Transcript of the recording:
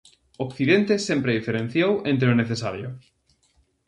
Occidente sempre diferenciou entre o necesario.